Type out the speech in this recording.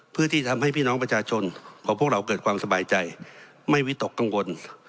เพื่อที่ทำให้พี่น้องประชาชนของพวกเราเกิดความสบายใจไม่วิตกกังวล